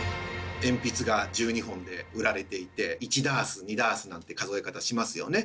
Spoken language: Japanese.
鉛筆が１２本で売られていて１ダース２ダースなんて数え方しますよね。